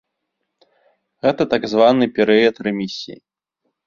Гэта так званы перыяд рэмісіі.